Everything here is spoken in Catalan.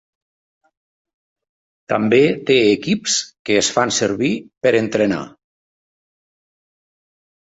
També té equips que es fan servir per entrenar.